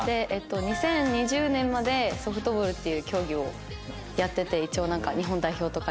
２０２０年までソフトボールっていう競技をやってて一応日本代表とかにも。